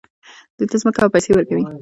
دوی ته ځمکه او پیسې ورکوي.